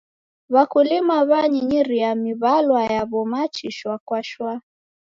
W'akulima w'anyinyiria miw'alwa yaw'o machi shwaa kwa shwaa.